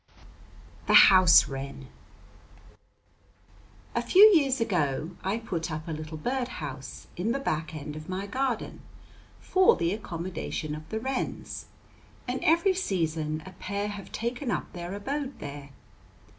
THE HOUSE WREN A few years ago I put up a little bird house in the back end of my garden for the accommodation of the wrens, and every season a pair have taken up their abode there.